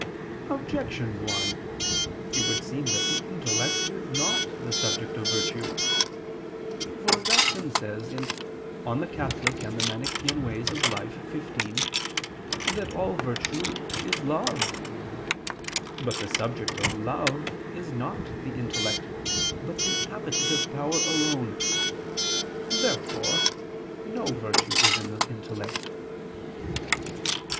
Objection 1: It would seem that the intellect is not the subject of virtue. For Augustine says (De Moribus Eccl. xv) that all virtue is love. But the subject of love is not the intellect, but the appetitive power alone. Therefore no virtue is in the intellect.